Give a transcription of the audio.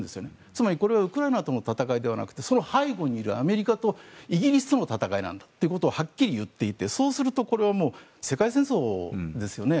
つまりこれはウクライナとの戦いじゃなくてその背後にいるアメリカとイギリスとの戦いなんだということをはっきり言っていてそうすると、これはもう世界戦争ですよね。